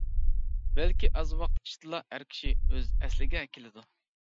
بەلكى ئاز ۋاقىت ئىچىدىلا ئەر كىشى ئۆز ئەسلىگە كېلىدۇ.